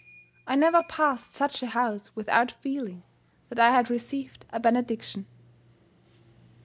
I never passed such a house without feeling that I had received a benediction.